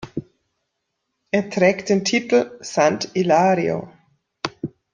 Er trägt den Titel "Sant’ Ilario.